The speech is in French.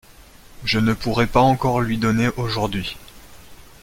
Je ne pourrai pas encore lui donner aujourd’hui !